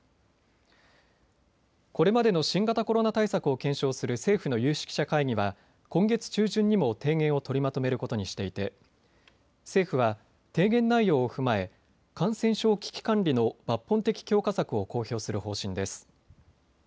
これまでの新型コロナ対策を検証する政府の有識者会議は今月中旬にも提言を取りまとめることにしていて政府は提言内容を踏まえ感染症危機管理の抜本的強化策を公表する方針です。